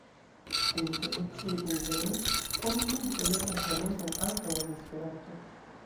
En internaciaj kunvenoj oni nun celebras la meson ankaŭ en Esperanto.